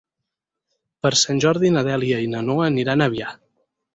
Per Sant Jordi na Dèlia i na Noa aniran a Avià.